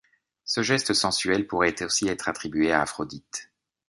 Ce geste sensuel pourrait aussi être attribué à Aphrodite.